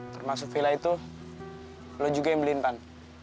termasuk villa itu lo juga yang beliin pan